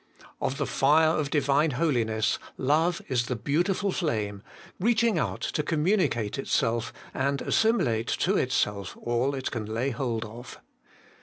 Of the fire of Divine holi ness love is the beautiful flame, reaching out to communicate itself and assimilate to itself all it can lay hold of.